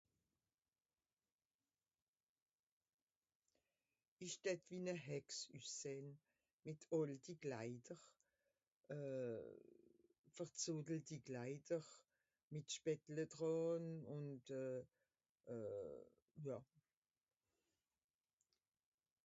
Ìch dätt wie-n-e Hex üssehn, mìt àlti Kleider, euh... verzotellti Kleider, mìt Spättle dràn ùn euh... ja.